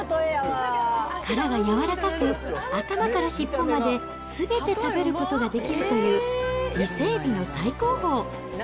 殻が軟らかく、頭から尻尾まですべて食べることができるという、伊勢海老の最高峰。